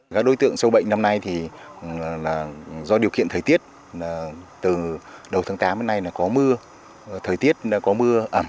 các đối tượng sâu bệnh năm nay thì do điều kiện thời tiết từ đầu tháng tám đến nay có mưa thời tiết có mưa ẩm